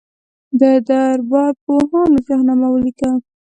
د دربار پوهانو شاهنامه ولیکله.